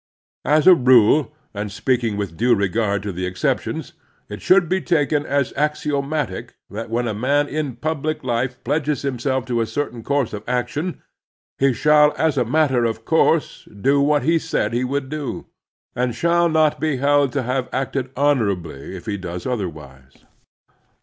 As a rule, and speaking with due regard to the exceptions, it should be taken as axiomatic that when a man in public life pledges himself to a certain course of action he shall as a matter of cotu^e do what he said he would do, and shall not be held to have acted honorably if he does otherwise.